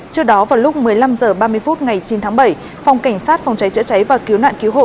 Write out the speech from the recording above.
trước đó vào lúc một mươi năm h ba mươi phút ngày chín tháng bảy phòng cảnh sát phòng cháy chữa cháy và cứu nạn cứu hộ